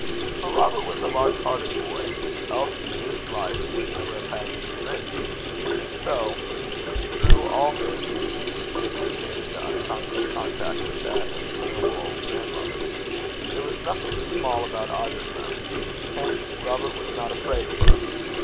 But Robert was a large hearted boy, else this life would never have had to be written; and so, through all this, his deepest nature came into unconscious contact with that of his noble old grandmother. There was nothing small about either of them. Hence Robert was not afraid of her.